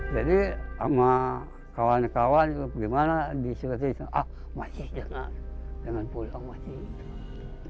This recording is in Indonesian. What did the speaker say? jadi sama kawan kawan itu gimana disuruh suruh